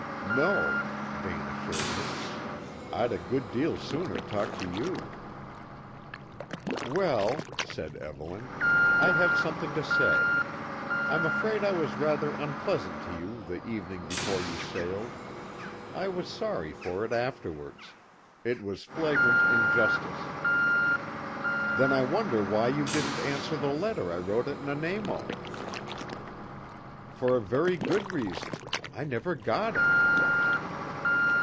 "No," Vane assured her; "I'd a good deal sooner talk to you." "Well," said Evelyn, "I have something to say. I'm afraid I was rather unpleasant to you the evening before you sailed. I was sorry for it afterwards; it was flagrant injustice." "Then I wonder why you didn't answer the letter I wrote at Nanaimo." "For a very good reason; I never got it."